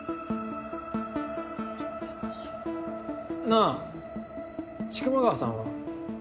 なあ千曲川さんは？